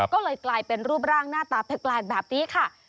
ก็เลยกลายเป็นรูปร่างหน้าตาแปลกแบบนี้ค่ะ